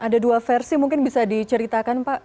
ada dua versi mungkin bisa diceritakan pak